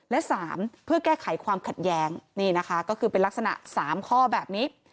และ๓เพื่อแก้ไขความขัดแย้งนี่นะคะก็คือเป็นลักษณะ๓ข้อแบบนี้